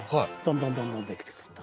どんどんどんどんできてくると。